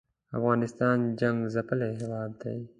افغانستان جنګ څپلی هېواد دی